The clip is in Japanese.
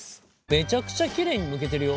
めちゃくちゃきれいにむけてるよ。